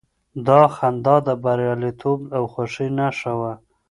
دا خندا د برياليتوب او خوښۍ نښه وه.